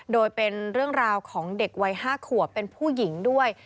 โดยเป็นเรื่องราวของเด็กวัย๕ขวบเป็นผู้หญิงด้วย